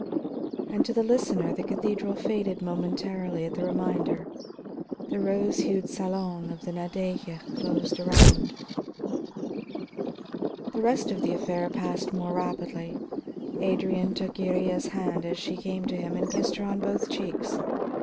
And to the listener the cathedral faded momentarily at the reminder; the rose hued salon of the Nadeja closed around. The rest of the affair passed more rapidly. Adrian took Iría's hands as she came to him and kissed her on both cheeks.